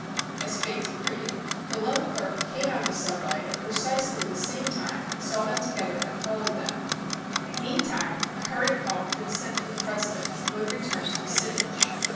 As Fate decreed, the loan clerk came out of the subway at precisely the same time, saw them together and followed them. Meantime a hurry call had been sent for the president, who had returned to the city.